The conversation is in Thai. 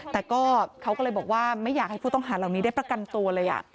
แต่ก็เขาก็เลยบอกว่าไม่อยากให้ผู้ต้องหาเหล่านี้ได้ประกันตัวเลย